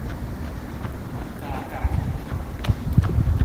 價格